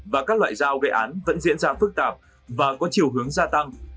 và các loại dao gây án vẫn diễn ra phức tạp và có chiều hướng gia tăng